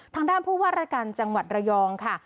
ทางด้านผู้ว่าราชการจังหวัดระยองค่ะ